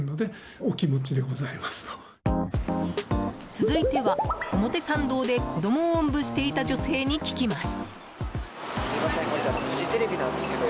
続いては、表参道で子供をおんぶしていた女性に聞きます。